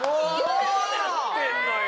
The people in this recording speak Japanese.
どうなってんのよ